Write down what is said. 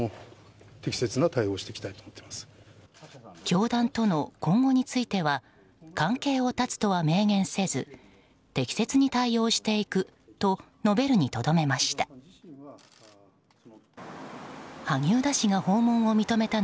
教団との今後については関係を絶つとは明言せず適切に対応していくと述べるにとどめました。